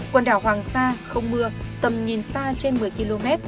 quần đảo hoàng sa không mưa tầm nhìn xa trên một mươi km